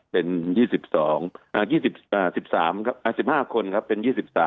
เป็น๒๒๑๕คนครับเป็น๒๓